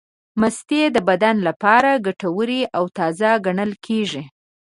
مستې د بدن لپاره ګټورې او تازې ګڼل کېږي.